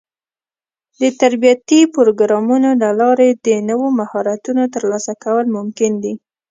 د تربيتي پروګرامونو له لارې د نوو مهارتونو ترلاسه کول ممکن دي.